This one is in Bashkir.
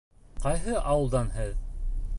— Ҡайһы ауылдан һеҙ?